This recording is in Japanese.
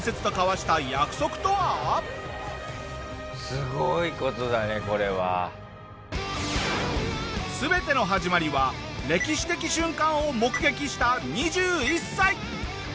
すごい事だねこれは。全ての始まりは歴史的瞬間を目撃した２１歳。